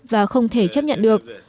và không thể chấp nhận được